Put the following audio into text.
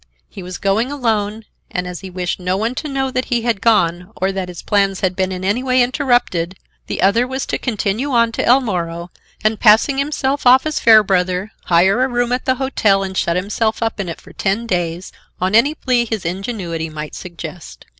He was going alone, and as he wished no one to know that he had gone or that his plans had been in any way interrupted, the other was to continue on to El Moro, and, passing himself off as Fairbrother, hire a room at the hotel and shut himself up in it for ten days on any plea his ingenuity might suggest.